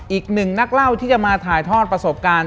อีกหนึ่งนักเล่าที่จะมาถ่ายทอดประสบการณ์